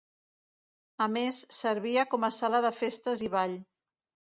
A més, servia com a sala de festes i ball.